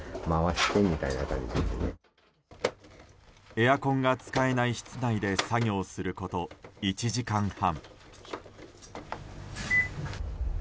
エアコンが使えない室内で作業すること１時間半。